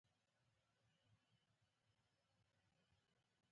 خوښي د ژوند کونجي ده پوه شوې!.